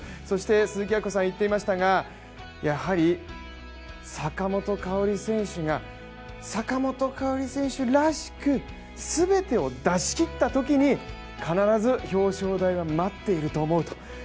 そして鈴木明子さんが言っていましたが、やはり坂本花織選手が、坂本花織選手らしく全てを出し切ったときに必ず表彰台が待っていると思うと。